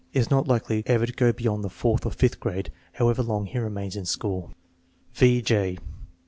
Is not likely ever to go beyond the fourth or fifth grade however long he remains in school. V. J.